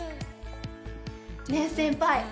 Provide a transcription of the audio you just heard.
ねえ先輩。